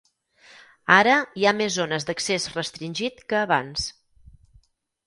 Ara hi ha més zones d'accés restringit que abans.